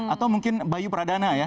atau mungkin bayu pradana ya